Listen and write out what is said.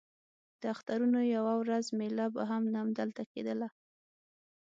د اخترونو یوه ورځ مېله به هم همدلته کېدله.